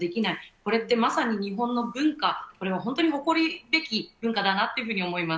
これってまさに日本の文化、これは本当に誇るべき文化だなと思います。